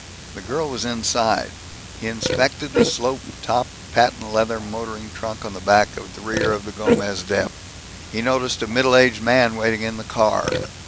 The girl was inside. He inspected the slope topped, patent leather motoring trunk on the rack at the rear of the Gomez Dep. He noticed a middle aged man waiting in the car.